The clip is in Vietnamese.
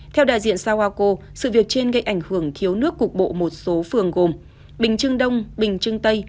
theo đại diện sawako sự việc trên gây ảnh hưởng thiếu nước cục bộ một số phường gồm bình trưng đông bình trưng tây